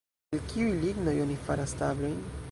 El kiuj lignoj oni faras tablojn?